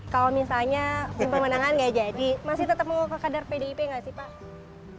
kalau misalnya pemenangan gak jadi masih tetap mau ke kadar pdip gak sih pak